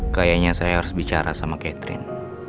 kayaknya saya harus bicara sama catherine